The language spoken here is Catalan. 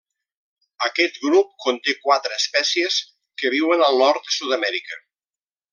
Aquest grup conté quatre espècies, que viuen al nord de Sud-amèrica.